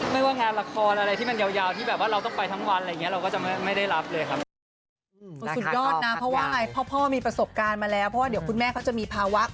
ไม่ว่าแค่ละครอะไรที่มันยาวที่แบบว่าเราต้องไปทั้งวันอะไรอย่างนี้